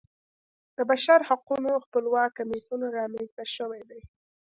د بشرحقونو خپلواک کمیسیون رامنځته شوی دی.